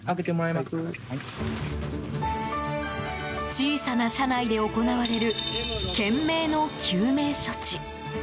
小さな車内で行われる懸命の救命処置。